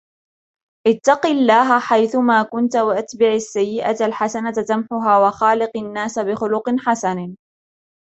اتَّقِ اللهَ حَيْثُمَا كُنْتَ، وَأَتْبِعِ السَّيِّئَةَ الْحَسَنَةَ تَمْحُهَا، وَخَالِقِ النَّاسَ بِخُلُقٍ حَسَنٍ